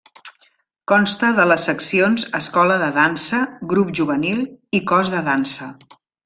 Consta de les seccions Escola de Dansa, Grup Juvenil i Cos de Dansa.